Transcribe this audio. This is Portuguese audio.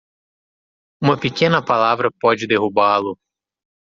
Uma pequena palavra pode derrubá-lo.